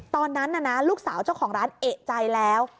ตอนนั้นน่ะนะลูกสาวเจ้าของร้านเอกใจแล้ว